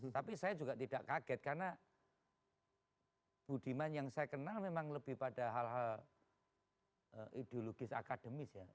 tapi saya juga tidak kaget karena budiman yang saya kenal memang lebih pada hal hal ideologis akademis ya